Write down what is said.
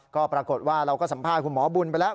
ก็ปรากฏว่าเราก็สัมภาษณ์คุณหมอบุญไปแล้ว